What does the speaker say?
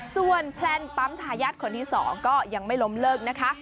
ส่วนแพลนปั๊มทายาทคนที่๒ก็ยังไม่ล้มเลิกนะคะ